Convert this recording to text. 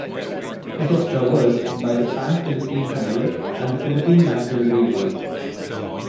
It is traversed by the Pan Philippine Highway and the Philippine National Railways.